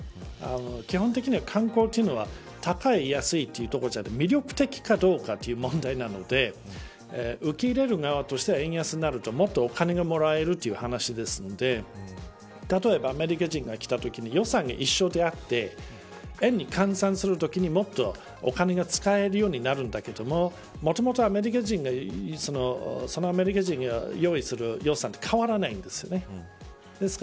基本的に観光というのは高い安いというところではなくて魅力的かという問題なので受け入れる側としては円安になるともっとお金がもらえるという話なので例えばアメリカ人が来たときに予算は一緒であって円に換算するときにもっとお金が使えるようになるんだけどもともとそのアメリカ人が用意する予算は変わらないんです。